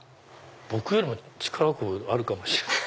僕よりも力こぶあるかもしれない。